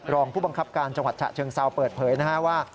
รองผู้บังคับการจังหวัดฉะเชิงเซาเปิดเผยนะฮะว่า